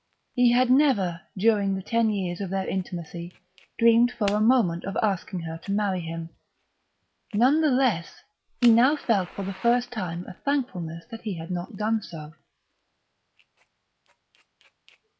He had never, during the ten years of their intimacy, dreamed for a moment of asking her to marry him; none the less, he now felt for the first time a thankfulness that he had not done so....